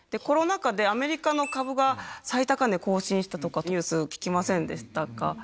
コロナ禍で、アメリカの株が最高値更新したとかってニュース聞きませんでしたか？